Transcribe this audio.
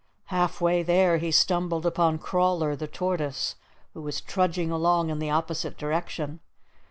Half way there he stumbled upon Crawler the Tortoise, who was trudging along in the opposite direction.